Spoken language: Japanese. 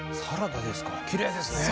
きれいですね。